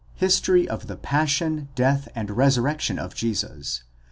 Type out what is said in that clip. Ἀ HISTORY OF THE PASSION, DEATH AND RESURRECTION OF JESUS.